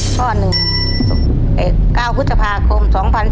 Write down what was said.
ต้อนึง๙พุทธภาคม๒๔๔๘